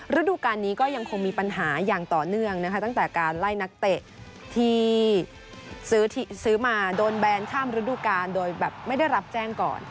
ฤดูการนี้ก็ยังคงมีปัญหาอย่างต่อเนื่องนะคะตั้งแต่การไล่นักเตะที่ซื้อมาโดนแบนข้ามฤดูกาลโดยแบบไม่ได้รับแจ้งก่อน